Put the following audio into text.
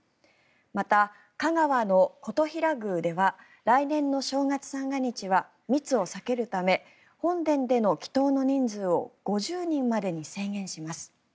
また、香川の金刀比羅宮では来年の正月三が日は密を避けるため本殿での祈祷の人数を５０人までに制限します。